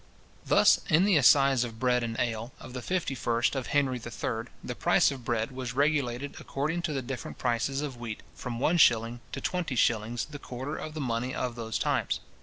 Thus, in the assize of bread and ale, of the 51st of Henry III. the price of bread was regulated according to the different prices of wheat, from one shilling to twenty shillings the quarter of the money of those times.